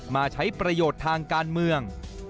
มาใช้ประโยชน์ทางการเมือง